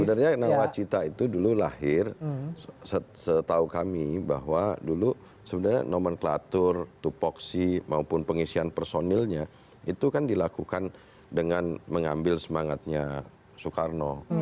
sebenarnya nawacita itu dulu lahir setahu kami bahwa dulu sebenarnya nomenklatur tupoksi maupun pengisian personilnya itu kan dilakukan dengan mengambil semangatnya soekarno